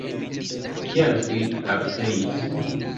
Kial vi aperis?